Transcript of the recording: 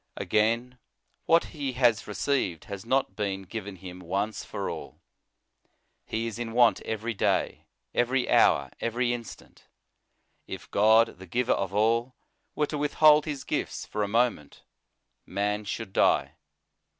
Again, wha". he has received, has not been In the Nineteenth Century. 89 given him once for all. He is in want every day, every hour, every instant. If God, the giver of all, were to withhold His gifts for a moment, man should die.